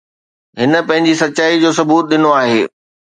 هن پنهنجي سچائي جو ثبوت ڏنو آهي